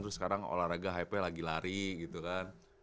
terus sekarang olahraga hype lagi lari gitu kan